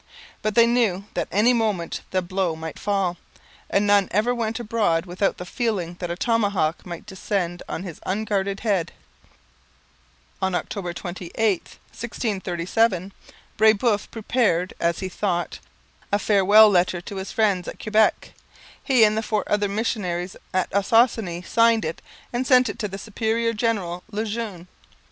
But they knew that at any moment the blow might fall, and none ever went abroad without the feeling that a tomahawk might descend on his unguarded head. On October 28, 1637, Brebeuf prepared, as he thought, a farewell letter to his friends at Quebec. He and the four other missionaries at Ossossane signed it and sent it to the superior general Le Jeune.